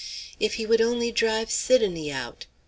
If he would only drive Sidonie out!